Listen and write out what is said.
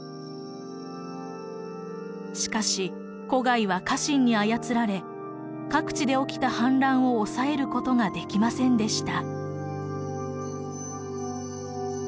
しかし胡亥は家臣に操られ各地で起きた反乱を抑えることができませんでした。